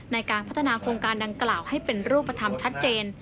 ในการพัฒนาโครงการดังกล่าวให้เป็นรูปธรรมชัดเจน